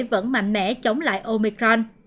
vẫn mạnh mẽ chống lại omicron